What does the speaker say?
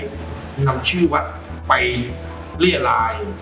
นำชื่อวัดไปเรียราย